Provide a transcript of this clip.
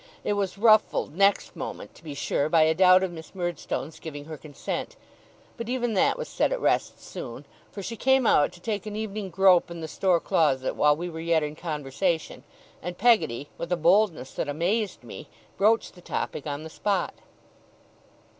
It was ruffled next moment, to be sure, by a doubt of Miss Murdstone's giving her consent; but even that was set at rest soon, for she came out to take an evening grope in the store closet while we were yet in conversation, and Peggotty, with a boldness that amazed me, broached the topic on the spot.